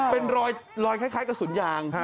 เป็นรอยลอยคล้ายกับสุนยาง